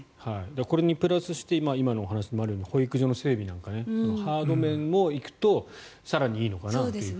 これにプラスして今のお話にもあるように保育所の整備なんかハード面も行くと更にいいのかなというね。